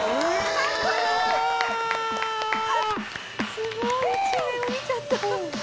「すごい一面を見ちゃった」